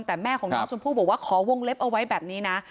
แต่แม่ของน้องชมพู่บอกว่าขอวงเล็บเอาไว้แบบนี้นะ